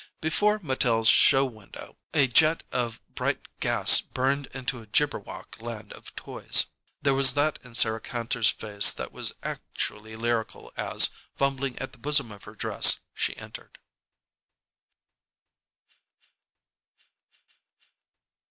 Before Mattel's show window, a jet of bright gas burned into a jibberwock land of toys. There was that in Sarah Kantor's face that was actually lyrical as, fumbling at the bosom of her dress, she entered.